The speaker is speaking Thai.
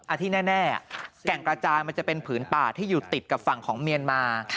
ที่แน่แก่งกระจายมันจะเป็นผืนป่าที่อยู่ติดกับฝั่งของเมียนมา